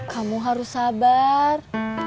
kamu harus sabar